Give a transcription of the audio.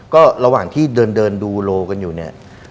ก็ระหว่างที่เดินดูโลกันอยู่เนี่ย